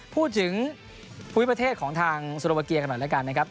พูดถึงภูมิประเทศของทางโซโลวาเกียร์ขนาดนี้กันนะครับ